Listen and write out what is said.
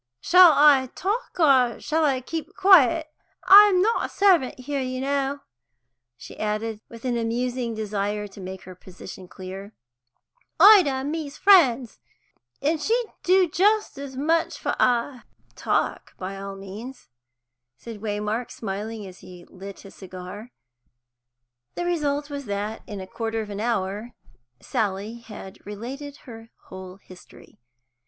"Shall I talk, or shall I keep quiet? I'm not a servant here, you know," she added, with an amusing desire to make her position clear. "Ida and me's friends, and she'd do just as much for I." "Talk by all means," said Waymark, smiling, as he lit his cigar. The result was that, in a quarter of an hour Sally had related her whole history.